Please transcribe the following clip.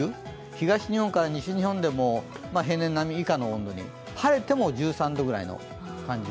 東日本から西日本でも平年並み以下の温度に、晴れても１３度ぐらいの感じ